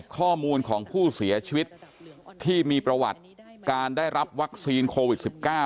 ข้อมูลของผู้เสียชีวิตที่มีประวัติการได้รับวัคซีนโควิด๑๙